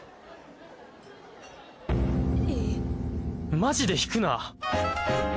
マジで引くな。